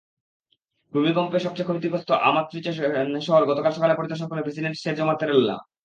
ভূমিকম্পে সবচেয়ে ক্ষতিগ্রস্ত আমাত্রিচে শহর গতকাল সকালে পরিদর্শন করেন প্রেসিডেন্ট সেরজো মাত্তারেল্লা।